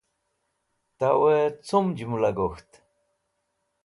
Tawẽ cum jũmla gok̃ht